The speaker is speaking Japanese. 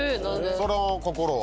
その心は？